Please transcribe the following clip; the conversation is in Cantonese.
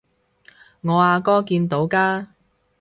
我阿哥見到㗎